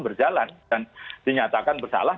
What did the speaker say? berjalan dan dinyatakan bersalah